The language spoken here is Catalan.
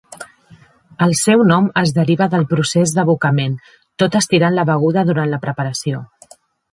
El seu nom es deriva del procés d'abocament, tot "estirant" la beguda durant la preparació.